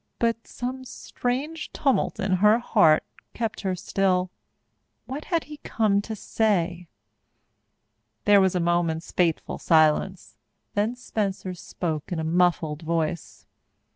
But some strange tumult in her heart kept her still. What had he come to say? There was a moment's fateful silence. Then Spencer spoke in a muffled voice.